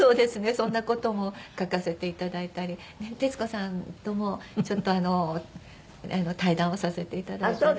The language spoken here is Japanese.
そんな事も書かせて頂いたり徹子さんともちょっと対談をさせて頂いたり。